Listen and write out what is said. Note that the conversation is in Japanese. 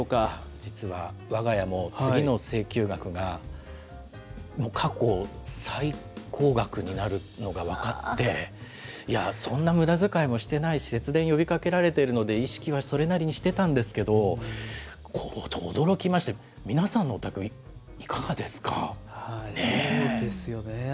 実は、わが家も次の請求額がもう過去最高額になるのが分かって、いや、そんなむだ遣いもしてないし、節電呼びかけられてるので、意識はそれなりにしてたんですけど、驚きました、皆さんのお宅、いかがそうですよね。